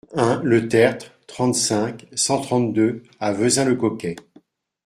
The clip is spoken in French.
un le Tertre, trente-cinq, cent trente-deux à Vezin-le-Coquet